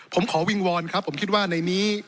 ผมขอวิงวอนครับผมคิดว่าในนี้